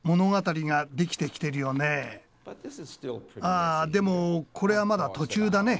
あでもこれはまだ途中だね。